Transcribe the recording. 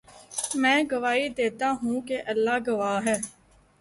میں گواہی دیتا ہوں کہ اللہ گواہ ہے